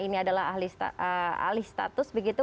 ini adalah alih status begitu